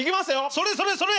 それそれそれ！